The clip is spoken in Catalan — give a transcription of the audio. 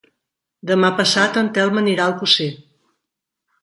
Demà passat en Telm anirà a Alcosser.